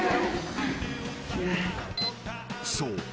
［そう。